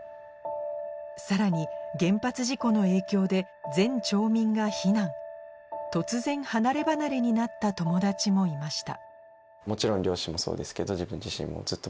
さらに原発事故の影響で突然離れ離れになった友達もいました